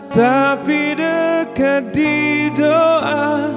tapi dekat di doa